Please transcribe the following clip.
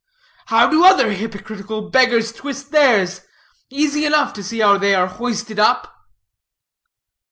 "How do other hypocritical beggars twist theirs? Easy enough to see how they are hoisted up."